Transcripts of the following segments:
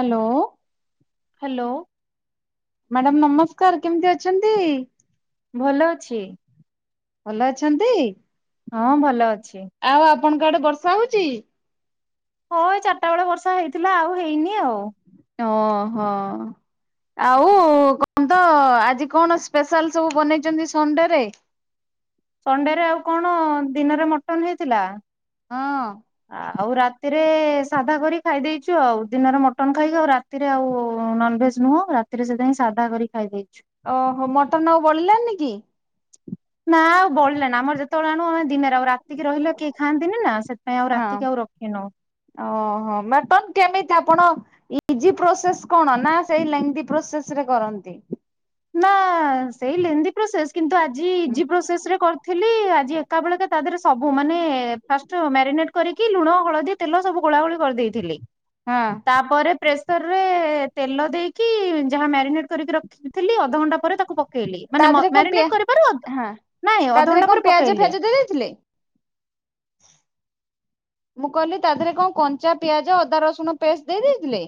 Hello hello madam ନମସ୍କାର୍ କେମିତି ଅଛନ୍ତି? ଭଲ ଅଛି। ଭଲ ଅଛନ୍ତି? ହଁ ଭଲ ଅଛି। ଆଉ ଆପଣଙ୍କ ଆଡେ ବର୍ଷା ହୋଉଛି? ହଁ ଏ ଚାରିଟା ବେଳେ ବର୍ଷା ହେଇ ଥିଲା ଆଉ ହେଇନି ଆଉ ଓହୋ ଆଉ କହ ତ ଆଜି କଣ ସ୍ପେଶାଲ୍ ସବୁ ବନେଇ ଛନ୍ତି ସନ୍ ଡେ ରେ? ସଣ୍ଡେରେ ଆଉ କଣ ଦିନରେ ମଟନ ହେଇଥିଲା। ହଁ ଆଉ ରାତିରେ ସାଧା କରି ଖାଇ ଦେଇଛୁ। ଆଉ ଦିନରେ ମଟନ୍ ଖାଇଲୁ ଆଉ ରାତିରେ ନନ୍ ଭେଜ୍ ନୁହଁ ଆଉ ରାତିରେ ସେଇଥିପାଇଁ ସାଧା କରି ଖାଇ ଦେଇ ଓହୋ ମଟନ ଆଉ ବଳିଲାନ କି? ନା ଆଉ ବଳିଲା ନା ଆମର ଯତେ ତଳେ ଆଣୁ ଆମ ଦିନରେ ଆଉ ରାତିକି ରହିଲେ କେହି ଖାଆନ୍ତିନି ନା ସେ ହଁ ଓହୋ ମଟନ୍ କେମିତି ଆପଣ? ଇଜି ପ୍ରୋସେସ କଣ ନା ସେଇ ଲେନ୍ଦି ପ୍ରୋସେସରେ କରନ୍ତି। ନା ସେଇ ଲେନ୍ଦି ପ୍ରୋସେସ କିନ୍ତୁ ଆଜ୍ ଜି ଇଜି ପ୍ରୋସେସ ରେ କର୍ ଥିଲି ଆଜି ଏକା ବେଳେକା ତା ଦେହରେ ସବୁ ମାନେ ଫାଷ୍ଟ ମ୍ୟାରିନେଟ କରିକି ଲୁଣ ହଳଦୀ ତେଲ ସବୁ ଗୋଳା ଗୋଳି କରିଦେଇଥିଲି। ହଁ ତାପରେ ପ୍ରେସ ରେ ତେଲ ଦେଇକି ଯାହା ମ୍ୟାରିନେଟ କରିକି ରଖି ଥିଲି ଅଧଘଣ୍ଟା ପରେ ତାକୁ ଇଲି ତା ମ ଦେହରେ କଣ ପିଆ ମାରିନେଟ କରିବାରୁ ହଁ ନାଇ ତା ଦେହରେ ଅଧଘଣ୍ଟା କଣ ପରେ ପିଆଜ ପକେଇଲି। ଫିଆଜ ଦେଇ ଦେଇଥିଲେ? ମୁଁ କହିଲି ତା ଦେହରେ କଣ କଞ୍ଚା ପିଆଜ ଅଦା ରସୁଣ ପେଷ୍ଟ ଦେଇ ଦେଇଥିଲେ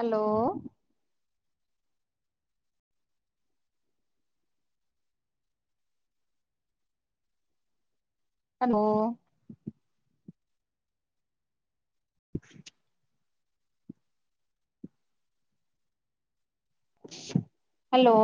ହାଲୋୋ ହ୍ୟାଲୋ। ହାଲୋ